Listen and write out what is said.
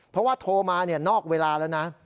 เพราะว่าโทรมานอกเวลาแล้วนะ